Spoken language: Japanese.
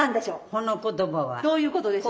その言葉は。どういうことでしょう？